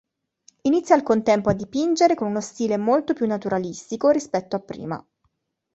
Inizia al contempo a dipingere con uno stile molto più naturalistico rispetto a prima.